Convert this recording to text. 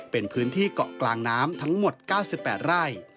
เป็นพื้นที่เกาะกลางน้ำทั้งหมด๙๘ไร่